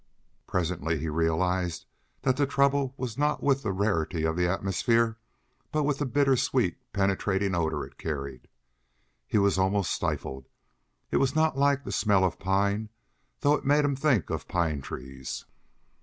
Presently he realized that the trouble was not with the rarity of the atmosphere, but with the bitter sweet penetrating odor it carried. He was almost stifled. It was not like the smell of pine, though it made him think of pine trees.